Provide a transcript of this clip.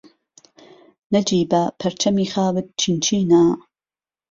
نهجیبه، پهرچهمی خاوت چینچینه